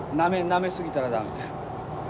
なめ過ぎたら駄目。